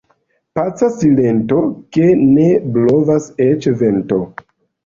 Paca silento, ke ne blovas eĉ vento.